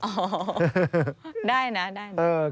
อ๋อได้นะประมาณนั้นได้